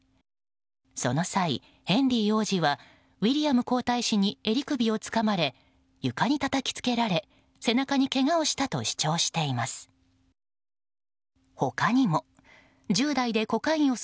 その際、ヘンリー王子はウィリアム皇太子に襟首をつかまれ床にたたきつけられ、背中にけがをしたと主張しています。